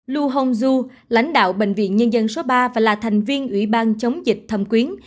lu hongzhu lãnh đạo bệnh viện nhân dân số ba và là thành viên ủy ban chống dịch thâm quyến